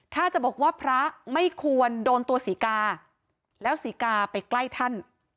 ถ้าจะบอกว่าพระไม่ควรโดนตัวศรีกาแล้วศรีกาไปใกล้ท่าน